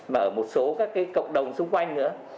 mà ở một số các cộng đồng xung quanh nữa